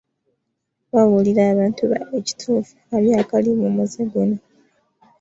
Babuulira abantu baabwe ekituufu ku kabi akali mu muze guno.